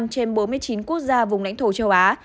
trên bốn mươi chín quốc gia vùng lãnh thổ châu á